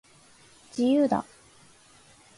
自由だ